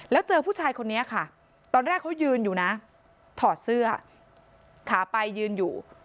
แล้วเจอผู้ชายคนนี้ค่ะตอนแรกเขายืนอยู่นะถอดเสื้อขาไปยืนอยู่